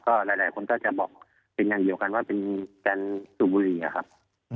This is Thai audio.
ก็หลายคนจะบอกอย่างเดียวกันว่าเป็นแกนสูบบุหรี่นะครับ